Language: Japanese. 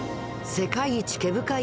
世界一毛深い